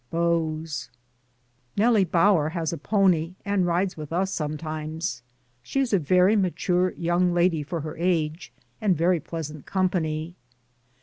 BEAUX. Nellie Bower has a pony, and rides with us sometimes. She is a very mature young lady for her age, and very pleasant company.